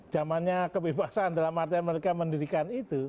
zamannya kebebasan dalam artian mereka mendirikan itu